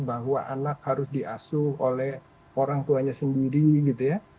bahwa anak harus diasuh oleh orang tuanya sendiri gitu ya